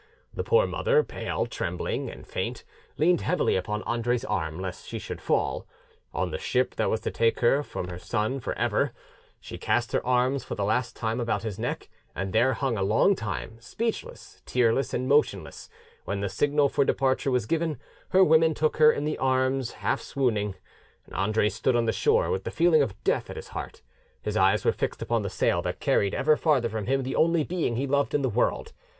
The poor mother, pale, trembling, and faint, leaned heavily upon Andre's arm, lest she should fall. On the ship that was to take her for ever from her son, she cast her arms for the last time about his neck, and there hung a long time, speechless, tearless, and motionless; when the signal for departure was given, her women took her in their arms half swooning. Andre stood on the shore with the feeling of death at his heart: his eyes were fixed upon the sail that carried ever farther from him the only being he loved in the world.